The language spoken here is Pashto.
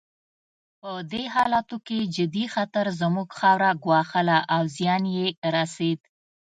په دې حالاتو کې جدي خطر زموږ خاوره ګواښله او زیان یې رسېد.